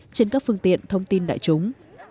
trên các phương tiện thông tin đại chúng